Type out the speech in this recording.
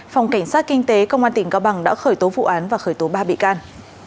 phòng cảnh sát kinh tế công an tỉnh cao bằng đã khởi tố vụ án và khởi tố ba bị can